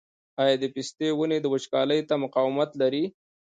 آیا د پستې ونې وچکالۍ ته مقاومت لري؟